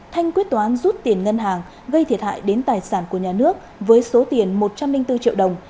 thanh quyết toán rút tiền ngân hàng gây thiệt hại đến tài sản của nhà nước với số tiền một trăm linh bốn triệu đồng